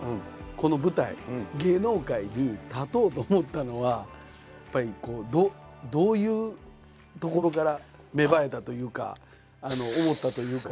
この舞台芸能界に立とうと思ったのはやっぱりこうどういうところから芽生えたというか思ったというか。